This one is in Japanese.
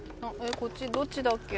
こっちどっちだっけ？